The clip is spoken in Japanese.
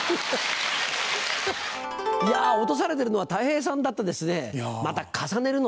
いや落とされてるのはたい平さんだったんですね。